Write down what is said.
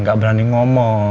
gak berani ngomong